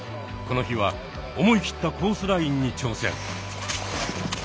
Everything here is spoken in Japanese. この日は思い切ったコースラインに挑戦。